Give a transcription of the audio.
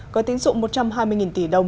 có tính dụng một trăm hai mươi tỷ đồng